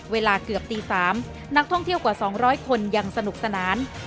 เวลาเกือบตี๓นักท่องเที่ยวกว่า๒๐๐คนยังสนุกสนาน